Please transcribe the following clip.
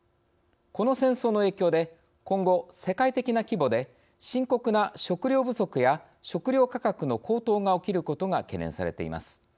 この戦争の影響で今後、世界的な規模で深刻な食糧不足や食糧価格の高騰が起きることが懸念されています。